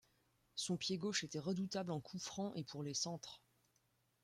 Son pied gauche était redoutable en coup franc et pour les centres.